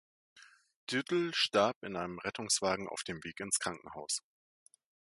Dirtl starb in einem Rettungswagen auf dem Weg ins Krankenhaus.